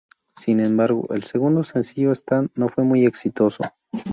Sin embargo, el segundo sencillo, "Stand", no fue muy exitoso.